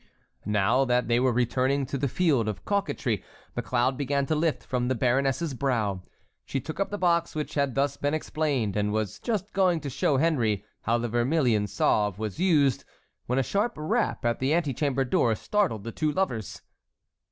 Now that they were returning to the field of coquetry, the cloud began to lift from the baroness's brow. She took up the box which had thus been explained, and was just going to show Henry how the vermilion salve was used, when a sharp rap at the antechamber door startled the two lovers.